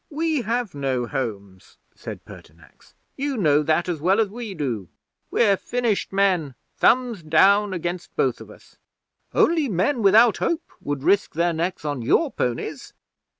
'"We have no homes," said Pertinax. "You know that as well as we do. We're finished men thumbs down against both of us. Only men without hope would risk their necks on your ponies."